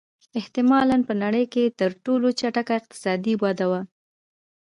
احتمالًا په نړۍ کې تر ټولو چټکه اقتصادي وده وه.